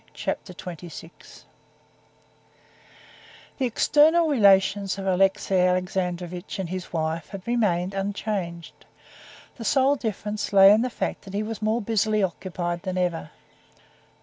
Chapter 26 The external relations of Alexey Alexandrovitch and his wife had remained unchanged. The sole difference lay in the fact that he was more busily occupied than ever.